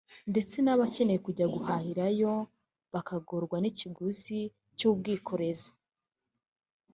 ndetse n’abakenera kujya guhahirayo bakagorwa n’ikiguzi cy’ubwikorezi